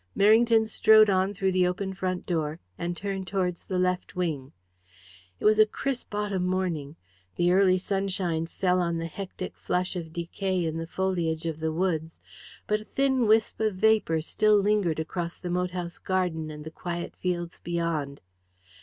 Merrington strode on through the open front door, and turned towards the left wing. It was a crisp autumn morning. The early sunshine fell on the hectic flush of decay in the foliage of the woods, but a thin wisp of vapour still lingered across the moat house garden and the quiet fields beyond.